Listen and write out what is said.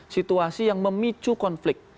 situasi yang memicu konflik